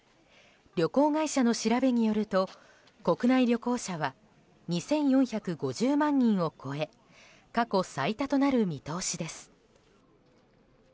旅行会社の調べによると国内旅行者は２４５０万人を超え過去最多となる見通しです。